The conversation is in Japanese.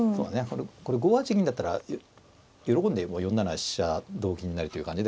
これ５八銀だったら喜んで４七飛車同銀成という感じで。